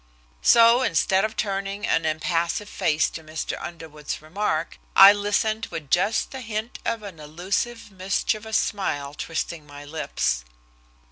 So instead of turning an impassive face to Mr. Underwood's remark, I listened with just the hint of an elusive mischievous smile twisting my lips.